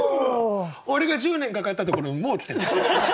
俺が１０年かかったところにもう来てんだ。